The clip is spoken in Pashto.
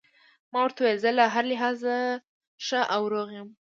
ما ورته وویل: زه له هر لحاظه ښه او روغ یم.